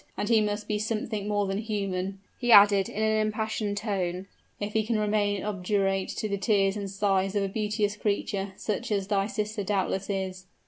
and he must be something more than human," he added, in an impassioned tone, "if he can remain obdurate to the tears and sighs of a beauteous creature, such as thy sister doubtless is."